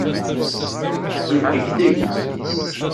Yeddegdeg.